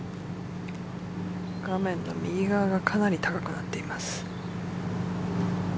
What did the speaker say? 画面の右側がかなり高くなっています。